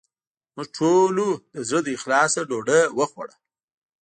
موږ ټولو د زړه له اخلاصه ډوډې وخوړه